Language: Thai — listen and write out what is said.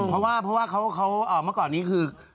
เพราะว่าเมื่อก่อนนี้คือ